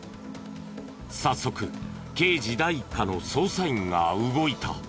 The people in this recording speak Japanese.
早速刑事第一課の捜査員が動いた。